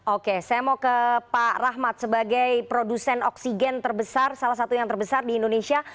oke saya mau ke pak rahmat sebagai produsen oksigen terbesar salah satu yang terbesar di indonesia